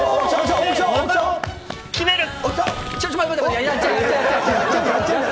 決める！